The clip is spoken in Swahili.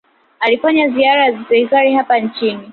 alifanya ziara ya kiserikali hapa nchini